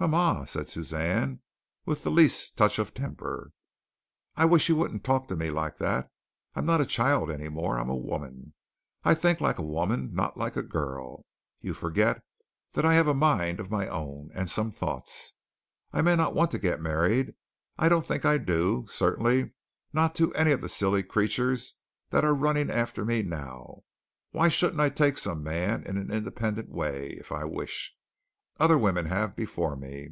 "Mama," said Suzanne, with the least touch of temper, "I wish you wouldn't talk to me like that. I'm not a child any more. I'm a woman. I think like a woman not like a girl. You forget that I have a mind of my own and some thoughts. I may not want to get married. I don't think I do. Certainly not to any of the silly creatures that are running after me now. Why shouldn't I take some man in an independent way, if I wish? Other women have before me.